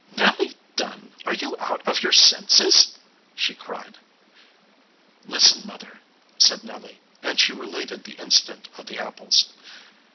"Nelly Dunn, are you out of your senses?" she cried. "Listen, mother," said Nelly; and she related the incident of the apples.